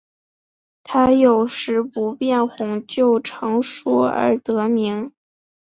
它以有时不变红就成熟而得名。